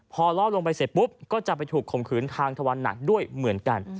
พอล่อลงไปเสร็จปุ๊บก็จะไปถูกข่มขืนทางทวันหนักด้วยเหมือนกัน